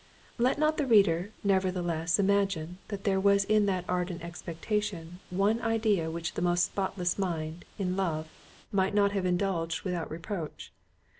Let not the reader, nevertheless, imagine, there was in that ardent expectation, one idea which the most spotless mind, in love, might not have indulged without reproach.